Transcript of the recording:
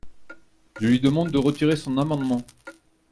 Je lui demande de retirer son amendement.